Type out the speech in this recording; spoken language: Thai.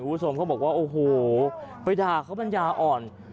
อุทธวงศ์เขาบอกว่าโอ้โฮไปด่าเขาปัญญาอ่อน